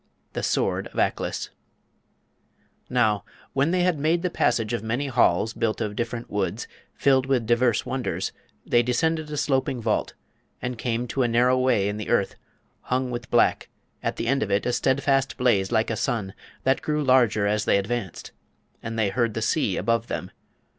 THE SWORD OF AKLIS Now, when they had made the passage of many halls, built of different woods, filled with divers wonders, they descended a sloping vault, and came to a narrow way in the earth, hung with black, at the end of it a stedfast blaze like a sun, that grew larger as they advanced, and they heard the sea above them.